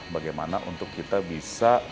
bagaimana untuk kita bisa